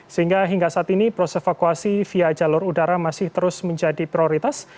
sehingga hingga saat ini proses evakuasi via jalur udara masih terus menjadi prioritas